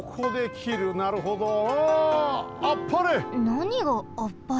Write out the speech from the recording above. なにがあっぱれ？